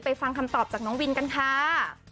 ฟังคำตอบจากน้องวินกันค่ะ